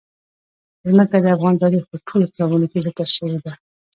ځمکه د افغان تاریخ په ټولو کتابونو کې ذکر شوی دي.